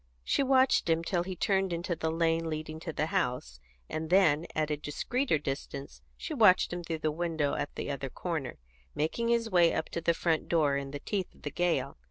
She watched him till he turned into the lane leading to the house, and then, at a discreeter distance, she watched him through the window at the other corner, making his way up to the front door in the teeth of the gale.